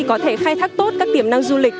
có thể khai thác tốt các tiềm năng du lịch